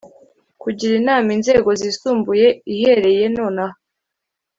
kugira inama inzego zisumbuye ihereye nonaha